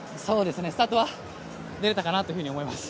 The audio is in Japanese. スタートは出れたかなと思います。